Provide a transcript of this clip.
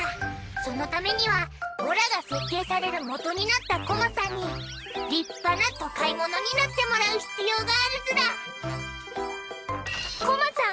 そのためにはオラが設計される元になったコマさんに立派な都会者になってもらう必要があるズラコマさん！